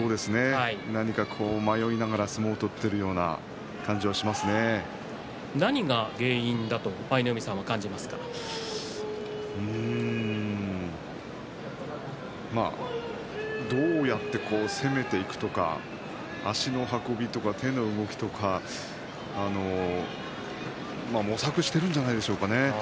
何か迷いながら相撲を取っているような何が原因だとうーんどうやって攻めていくとか足の運びとか手の動きとか模索してるんじゃないでしょうか。